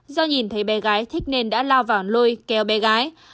do nhìn thấy bé gái thích nên đã lao vào lôi kéo bé gái